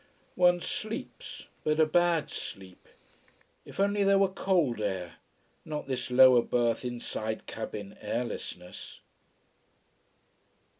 One sleeps but a bad sleep. If only there were cold air, not this lower berth, inside cabin airlessness.